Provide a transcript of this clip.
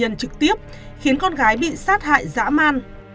nạn nhân trực tiếp khiến con gái bị sát hại dã man